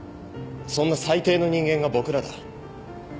そんな最低の人間が僕らだ。